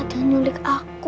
dan nyulik aku